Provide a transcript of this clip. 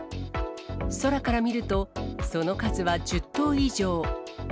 空から見ると、その数は１０頭以上。